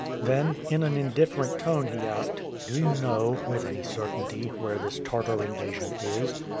Then in an indifferent tone he asked, "Do you know, with any certainty, where this Tartar invasion is?"